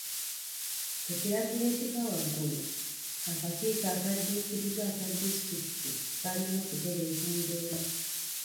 Ku kiragiro ekiva waggulu, akakiiko akadduukirize aka disitulikiti kaalina okutereeza embeera.